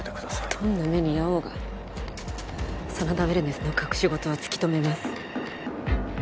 どんな目に遭おうが真田ウェルネスの隠し事は突き止めます